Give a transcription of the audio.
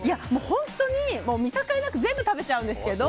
本当に、見境なく全部食べちゃうんですけど。